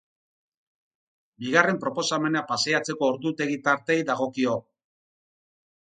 Bigarren proposamena paseatzeko ordutegi tarteei dagokio.